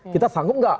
kita sanggup gak